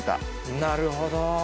なるほど。